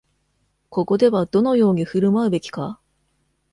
ここではどのように振る舞うべきか？